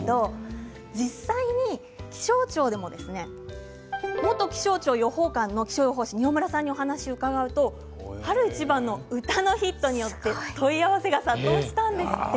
実際に気象庁でも元気象庁予報課の気象予報士の饒村さんにお話を伺うと「春一番」の歌のヒットによって問い合わせが殺到したんですって。